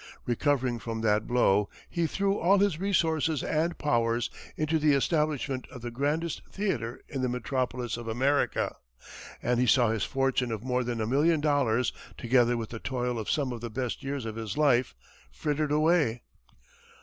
Recovering from that blow, he threw all his resources and powers into the establishment of the grandest theatre in the metropolis of America, and he saw his fortune of more than a million dollars, together with the toil of some of the best years of his life frittered away.